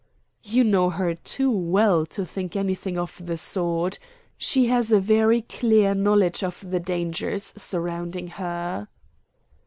"You know her too well to think anything of the sort. She has a very clear knowledge of the dangers surrounding her."